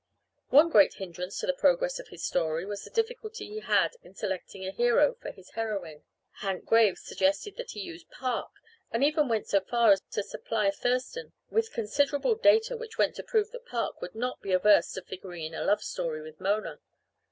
One great hindrance to the progress of his story was the difficulty he had in selecting a hero for his heroine. Hank Graves suggested that he use Park, and even went so far as to supply Thurston with considerable data which went to prove that Park would not be averse to figuring in a love story with Mona.